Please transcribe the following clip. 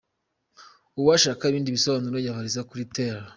Uwashaka ibindi bisobanuro yabariza kuri Tel.